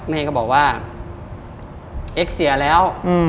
แม่ก็บอกว่าเอ็กซ์เสียแล้ว